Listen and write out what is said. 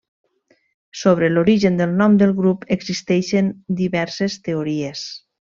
Sobre l'origen del nom del grup existeixen diverses teories.